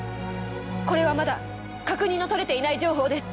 これはまだ確認の取れていない情報です。